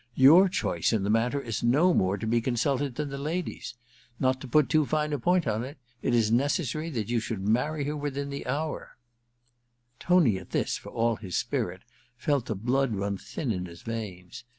Your choice in the matter is no more to be consulted than the lady's. Not to put too fine a point on it, it is necessary that you should marry her within the hour.' II ENTERTAINMENT 335 Tony, at this, for all his spirit, fdt the blood run thin in his veins.